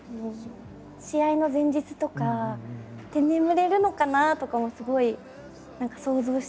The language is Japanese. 試合の前日とかって眠れるのかなとかもすごい何か想像してました。